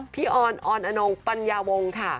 ออนออนอนงปัญญาวงค่ะ